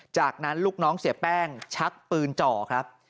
จากนั้นลูกน้องเสียแป้งชักปืนจ่อครับ